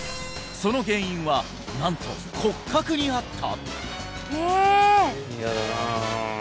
その原因はなんと骨格にあった！？